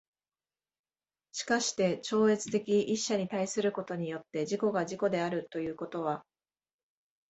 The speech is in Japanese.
しかして超越的一者に対することによって自己が自己であるということは、